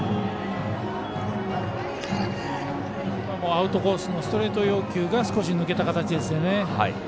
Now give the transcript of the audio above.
アウトコースのストレート要求が少し抜けた形ですよね。